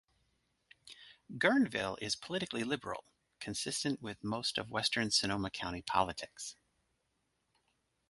Guerneville is politically liberal, consistent with most of western Sonoma County politics.